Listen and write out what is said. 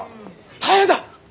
大変だ！